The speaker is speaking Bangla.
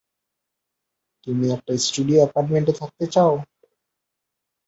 তুমি একটা স্টুডিও এপার্টমেন্টে থাকতে চাও?